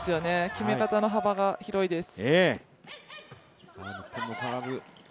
決め方の幅が広いです。